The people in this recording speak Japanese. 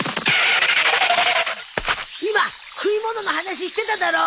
今食い物の話してただろ！？